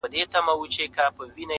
• ساقي زده له صراحي مي د زړه رازکی,